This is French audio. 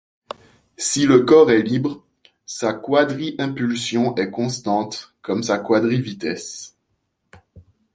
Si le corps est libre, sa quadri-impulsion est constante, comme sa quadri-vitesse.